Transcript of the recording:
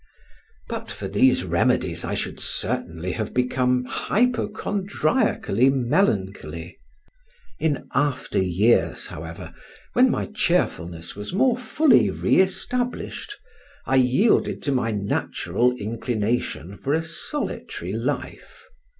But for these remedies I should certainly have become hypochondriacally melancholy. In after years, however, when my cheerfulness was more fully re established, I yielded to my natural inclination for a solitary life.